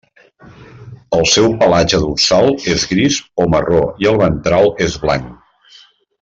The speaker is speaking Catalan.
El seu pelatge dorsal és gris o marró i el ventral és blanc.